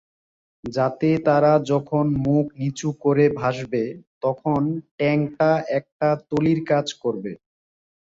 যাতে তারা যখন মুখ নিচু করে ভাসবে, তখন ট্যাঙ্কটা একটা তলির কাজ করবে।